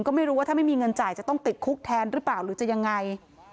ก็ไม่รู้ว่าถ้าไม่มีเงินจ่ายจะต้องติดคุกแทนหรือเปล่าหรือจะยังไง